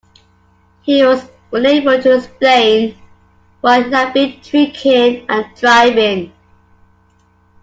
He was unable to explain why he had been drinking and driving